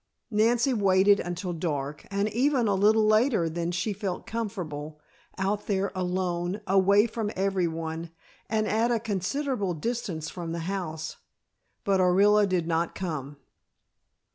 Nancy waited until dark, and even a little later than she felt comfortable, out there alone away from everyone, and at a considerable distance from the house; but Orilla did not come.